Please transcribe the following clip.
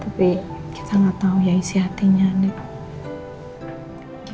tapi kita gak tau ya isi hatinya nih